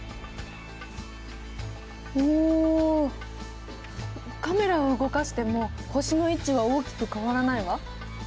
おカメラを動かしても星の位置は大きく変わらないわ。